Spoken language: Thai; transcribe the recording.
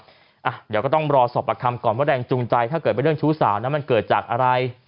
เดี๋ยวก็ต้องรอสอบประคำก่อนว่าแรงจูงใจถ้าเกิดเป็นเรื่องชู้สาวนั้นมันเกิดจากอะไร